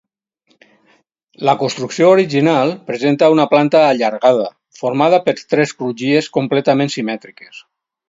La construcció original presenta una planta allargada, formada per tres crugies completament simètriques.